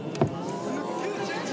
すげぇチェンジ！